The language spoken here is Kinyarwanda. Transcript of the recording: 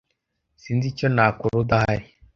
sinzi icyo nakora udahari